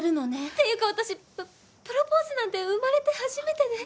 っていうか私プロポーズなんて生まれて初めてで。